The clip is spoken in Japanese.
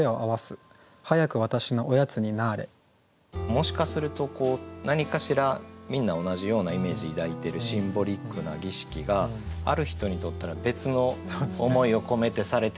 もしかすると何かしらみんな同じようなイメージ抱いてるシンボリックな儀式がある人にとったら別の思いを込めてされてることも。